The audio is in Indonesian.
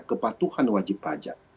kepatuhan wajib pajak